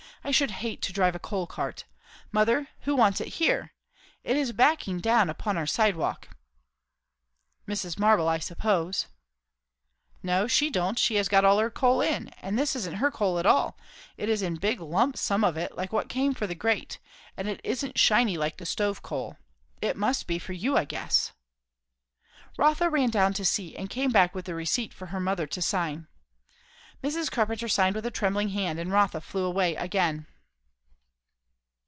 I should hate to drive a coal cart! Mother, who wants it here? It is backing down upon our sidewalk." "Mrs. Marble, I suppose." "No, she don't; she has got her coal all in; and this isn't her coal at all; it is in big lumps some of it, like what came for the grate, and it isn't shiny like the stove coal. It must be for you, I guess." Rotha ran down to see, and came back with the receipt for her mother to sign. Mrs. Carpenter signed with a trembling hand, and Rotha flew away again.